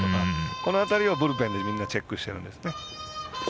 この辺りをブルペンでみんなチェックしてるんですね。